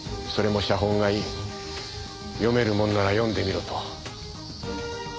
それも写本がいい読めるものなら読んでみろと。